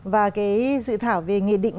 và cái dự thảo về nghị định